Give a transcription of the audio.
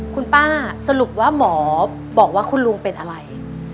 คุณป้าสรุปว่าหมอบอกว่าคุณลุงเป็นอะไร